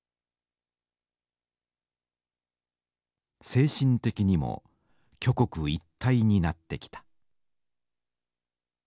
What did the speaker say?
「精神的にも挙国一体になってきた」。